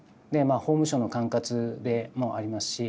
法務省の管轄でもありますし。